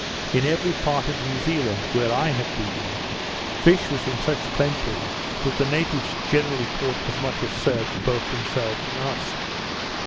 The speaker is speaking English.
In every part of New Zealand where I have been, fish was in such plenty, that the natives generally caught as much as served both themselves and us.